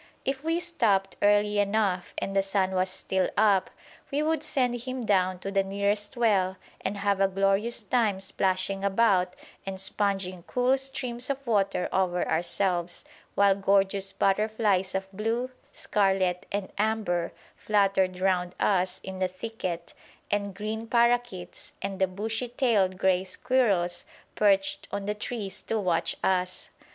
If we stopped early enough and the sun was still up, we would send him down to the nearest well and have a glorious time splashing about and sponging cool streams of water over ourselves, while gorgeous butterflies of blue, scarlet, and amber fluttered round us in the thicket, and green parakeets and the bushy tailed grey squirrels perched on the trees to watch us.